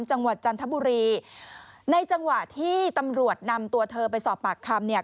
จันทบุรีในจังหวะที่ตำรวจนำตัวเธอไปสอบปากคำเนี่ย